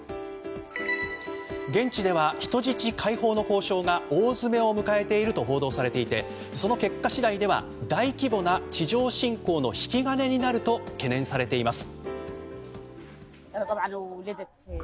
現地では人質解放の交渉が大詰めを迎えていると報道されていてその結果次第では大規模な地上侵攻の引き金になると懸念されています。